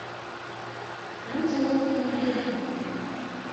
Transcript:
Людзі гэтыя не бедныя.